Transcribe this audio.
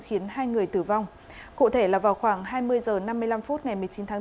khiến hai người tử vong cụ thể là vào khoảng hai mươi h năm mươi năm phút ngày một mươi chín tháng bốn